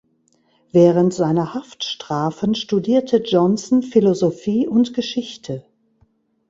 Während seiner Haftstrafen studierte Johnson Philosophie und Geschichte.